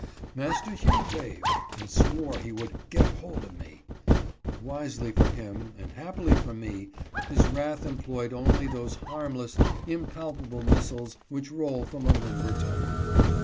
Master Hugh raved, and swore he would " get hold of me," but wisely for him, and happily for me, his wrath employed only those harmless, impalpable missiles which roll from a limber tongue.